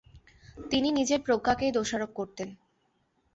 তিনি নিজের প্রজ্ঞাকেই দোষারোপ করতেন।